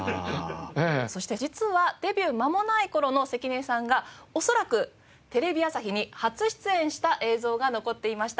そして実はデビューまもない頃の関根さんが恐らくテレビ朝日に初出演した映像が残っていました。